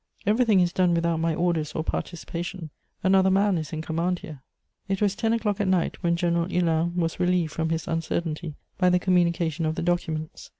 Everything is done without my orders or participation: another man is in command here." It was ten o'clock at night when General Hulin was relieved from his uncertainty by the communication of the documents.